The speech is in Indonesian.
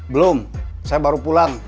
belum saya baru pulang